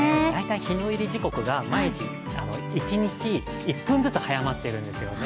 日の入り時刻が毎日、一日１分ずつ早くなっているんですね。